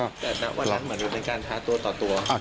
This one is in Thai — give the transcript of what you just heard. แต่ณวันนั้นเหมือนเป็นการท้าตัวต่อตัว